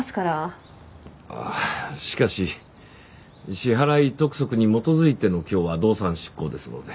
ああしかし支払督促に基づいての今日は動産執行ですので。